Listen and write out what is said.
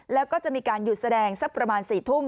แล้วก็จะมีการหยุดแสดงสักประมาณ๔ทุ่ม